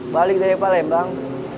balik dari palembang